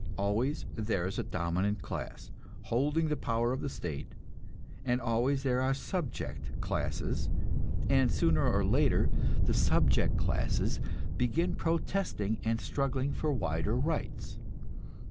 Always there is a dominant class, holding the power of the state, and always there are subject classes; and sooner or later the subject classes begin protesting and struggling for wider rights.